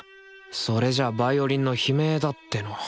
それじゃあヴァイオリンの悲鳴だっての。